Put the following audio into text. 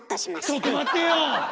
ちょっと待ってよ！